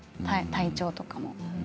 体調とかも。